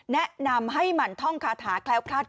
แนะนำให้มันท่องคาถาคลายออกภาษณ์